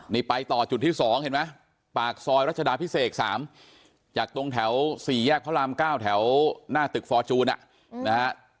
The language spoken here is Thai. นี่ไปต่อจุดที่๒เห็นไหมปากซอยรัชดาพิเศษ๓จากตรงแถว๔แยกพระราม๙แถวหน้าตึกฟอร์จูนนะฮะ